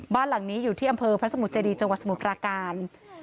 บ้านหลังนี้อยู่ที่อำเภอพระสมุทรเจดีจังหวัดสมุทรปราการ